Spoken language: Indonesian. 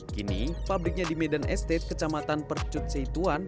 kini pabriknya di medan estate kecamatan percut seituan